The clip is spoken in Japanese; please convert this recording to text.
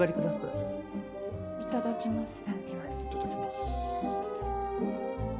いただきます。